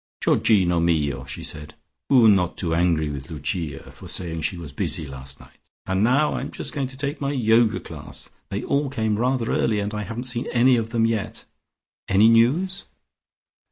"Georgino mio," she said, "oo not angry with Lucia for saying she was busy last night? And now I'm just going to take my Yoga class. They all came rather early and I haven't seen any of them yet. Any news?"